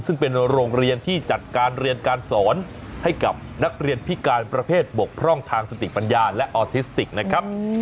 ซึ่งเป็นโรงเรียนที่จัดการเรียนการสอนให้กับนักเรียนพิการประเภทบกพร่องทางสติปัญญาและออทิสติกนะครับ